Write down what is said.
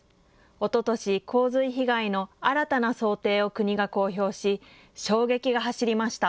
おととし、洪水被害の新たな想定を国が公表し、衝撃が走りました。